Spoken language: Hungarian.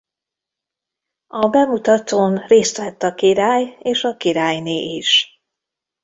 A bemutatón részt vett a király és a királyné is.